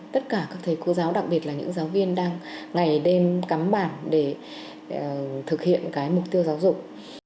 tất cả các thầy cô giáo đặc biệt là những giáo viên đang ngày đêm cắm bản để thực hiện cái mục tiêu giáo dục